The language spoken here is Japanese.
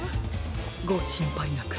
ごしんぱいなく。